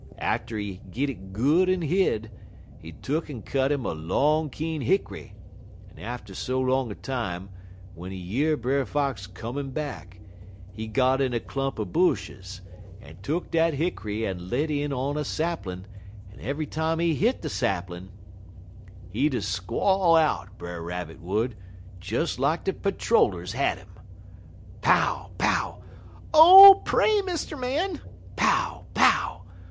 Atter he git it good en hid, he tuck'n cut 'im a long keen hick'ry, en atter so long a time, w'en he year Brer Fox comin' back, he got in a clump er bushes, en tuck dat hick'ry en let in on a saplin', en ev'y time he hit de saplin', he 'ud squall out, Brer Rabbit would, des lak de patter rollers had 'im: "Pow, pow! 'Oh, pray, Mr. Man!' _Pow, pow!